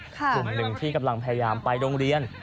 กลุ่มหนึ่งที่กำลังพยายามไปโรงเรียน